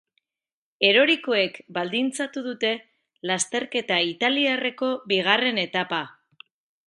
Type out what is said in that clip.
Erorikoek baldintzatu dute lasterketa italiarreko bigarren etapa.